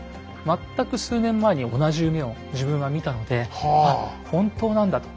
全く数年前に同じ夢を自分は見たのであっ本当なんだと。